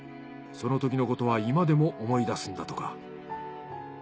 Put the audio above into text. そのときのことは今でも思い出すんだとか。